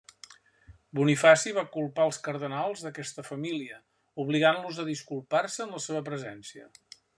Bonifaci va culpar els cardenals d'aquesta família, obligant-los a disculpar-se en la seva presència.